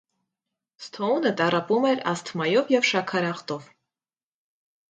Սթոունը տառապում էր ասթմայով և շաքարախտով։